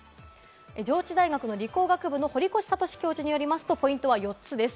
上智大学理工学部・堀越智教授によりますとポイントは４つです。